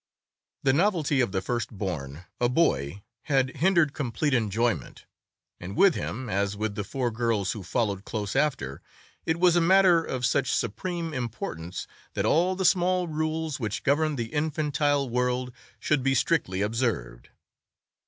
The novelty of the first born, a boy, had hindered complete enjoyment, and with him, as with the four girls who followed close after, it was a matter of such supreme importance that all the small rules which governed the infantile world should be strictly observed.